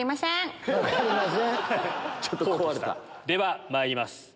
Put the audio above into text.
ではまいります。